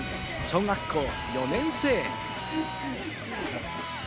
小学校４年生。